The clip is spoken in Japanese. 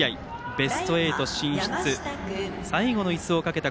ベスト８進出最後のいすをかけた